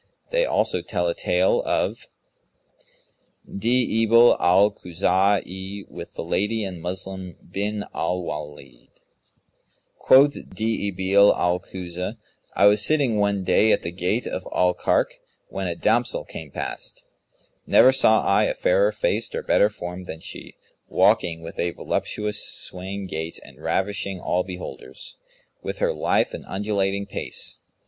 They also tell a tale of DI'IBIL AL KHUZA'I WITH THE LADY AND MUSLIM BIN AL WALID. Quoth Di'ibil al Khuzα'i[FN#181], "I was sitting one day at the gate of Al Karkh,[FN#182] when a damsel came past. Never saw I a fairer faced or better formed than she, walking with a voluptuous swaying gait and ravishing all beholders with her lithe and undulating pace.